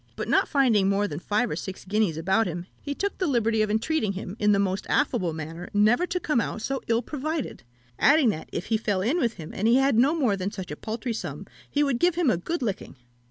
but not finding more than five or six guineas about him, he took the liberty of entreating him, in the most affable manner, never to come out so ill provided; adding that, if he fell in with him, and he had no more than such a paltry sum, he would give him a good licking.